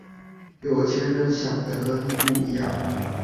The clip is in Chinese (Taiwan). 有錢人想的和你不一樣